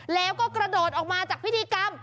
แล้วก็กระโดดออกมาจากพิธีกรรม